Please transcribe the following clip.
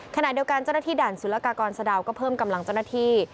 ขณะเดียวกันเจ้าหน้าที่ด่านสุรกากรสะดาวก็เพิ่มกำลังเจ้าหน้าที่